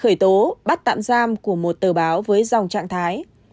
khởi tố bắt tạm giam của một tờ báo với dòng trạng thái